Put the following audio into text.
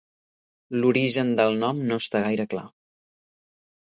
L'origen del nom no està gaire clar.